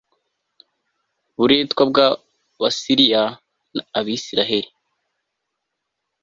buretwa bw abasiriya abisirayeli